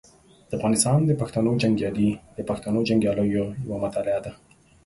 د افغانستان د پښتنو جنګیالي د پښتنو جنګیالیو یوه مطالعه ده.